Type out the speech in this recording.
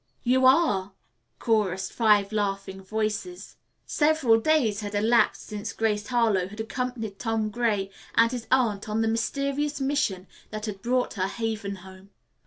"You are," chorused five laughing voices. Several days had elapsed since Grace Harlowe had accompanied Tom Gray and his aunt on the mysterious mission that had brought her Haven Home.